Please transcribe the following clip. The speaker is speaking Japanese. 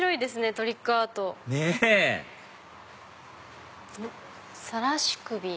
トリックアート。ねぇ「さらし首」。